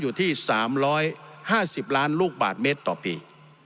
อยู่ที่๓๕๐ล้านลูกบาทเมตรต่อปี